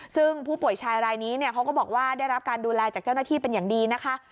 ซึ่งผู้ป่วยชายรายนี้เขาก็บอกว่าได้รับการดูแลจากเจ้าหน้าที่เป็นอย่างดีนะคะ